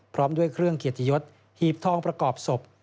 พร้อมด้วยเครื่องเกียรติยศหีบทองประกอบศพ